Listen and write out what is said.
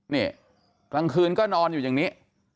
นี่กลางคืนก็นอนอยู่อย่างนี้